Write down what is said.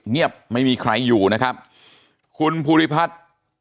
เงียบไม่มีใครอยู่นะครับคุณภูริพัฒน์